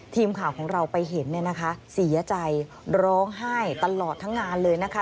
ทีมข่าวของเราไปเห็นเนี่ยนะคะเสียใจร้องไห้ตลอดทั้งงานเลยนะคะ